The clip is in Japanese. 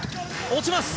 落ちます！